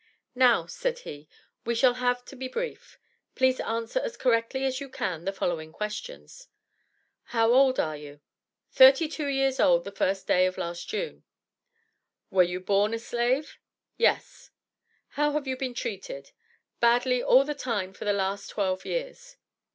"Now," said he, "we shall have to be brief. Please answer as correctly as you can the following questions:" "How old are you?" "Thirty two years old the 1st day of last June." "Were you born a slave?" "Yes." "How have you been treated?" "Badly all the time for the last twelve years."